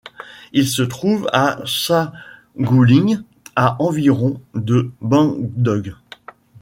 Il se trouve à Saguling, à environ de Bandung.